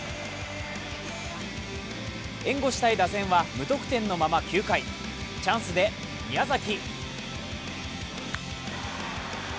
援護したい打線は無得点のまま９回チャンスで宮崎。